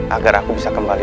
agar aku bisa kembali